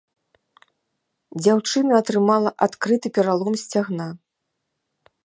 Дзяўчына атрымала адкрыты пералом сцягна.